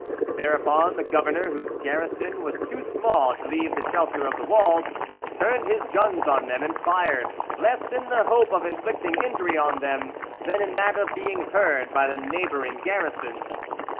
Thereupon the governor, whose garrison was too small to leave the shelter of the walls, turned his guns on them and fired, less in the hope of inflicting injury on them than in that of being heard by the neighbouring garrisons.